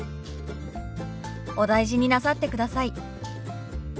「お大事になさってください」。